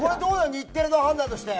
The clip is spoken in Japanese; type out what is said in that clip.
日テレの判断として。